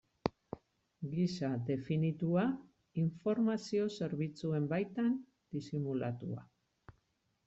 Gisa definitua, informazio zerbitzuen baitan disimulatua.